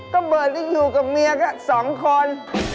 ก็เบิร์ดที่อยู่กับเมียก็๒คน